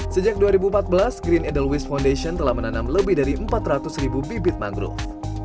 sejak dua ribu empat belas green edelweiss foundation telah menanam lebih dari empat ratus ribu bibit mangrove